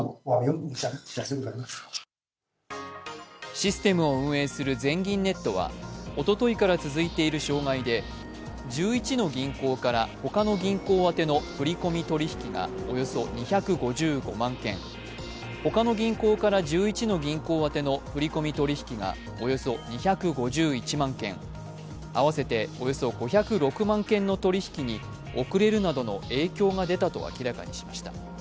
システムを運営する全銀ネットはおとといから続いている障害で１１の銀行から他の銀行宛の振り込み取り引きがおよそ２５５万件、他の銀行から１１の銀行当ての振り込み取り引きがおよそ２５１万件、合わせておよそ５０６万件の取り引きに遅れるなどの影響が出たと明らかにしました。